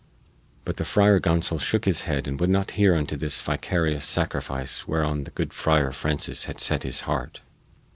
But the Friar Gonsol shook his head and would not hear unto this vicarious sacrifice whereon the good Friar Francis had set his heart.